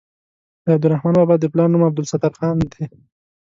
د عبدالرحمان بابا د پلار نوم عبدالستار خان دی.